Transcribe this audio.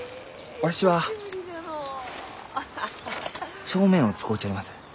わしは帳面を使うちょります。